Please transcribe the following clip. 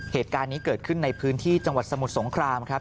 เหตุการณ์นี้เกิดขึ้นในพื้นที่จังหวัดสมุทรสงครามครับ